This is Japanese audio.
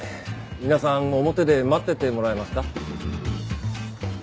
皆さん表で待っててもらえますか？